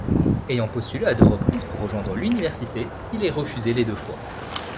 Ayant postulé à deux reprises pour rejoindre l'Université, il est refusé les deux fois.